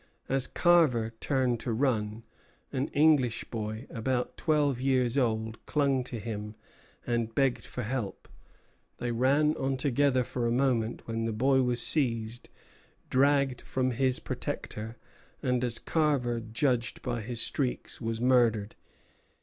As Carver turned to run, an English boy, about twelve years old, clung to him and begged for help. They ran on together for a moment, when the boy was seized, dragged from his protector, and, as Carver judged by his shrieks, was murdered.